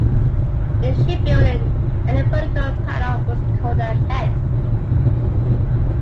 In shipbuilding, any vertical panel was called a "head".